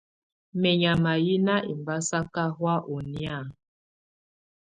Mɛ̀nyàma yɛ̀ nà ɛmbasaka hɔ̀á ù nɛ̀́á.